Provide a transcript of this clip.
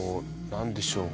何でしょう。